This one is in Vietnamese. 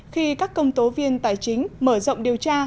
khi các công tố viên tài chính mở rộng điều tra